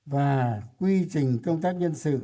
và quy trình công tác nhân sự